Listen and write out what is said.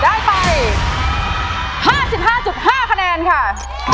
ได้ไป๕๕คะแนนค่ะ